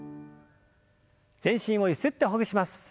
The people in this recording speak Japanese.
全身をゆすってほぐします。